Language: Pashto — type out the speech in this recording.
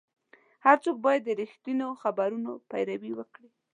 هر څوک باید د رښتینو خبرونو پیروي وکړي.